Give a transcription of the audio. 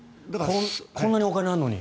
こんなにお金があるのに。